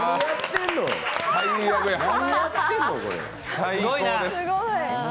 最高です。